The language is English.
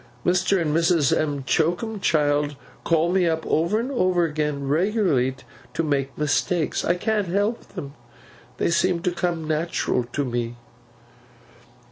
Mr. and Mrs. M'Choakumchild call me up, over and over again, regularly to make mistakes. I can't help them. They seem to come natural to me.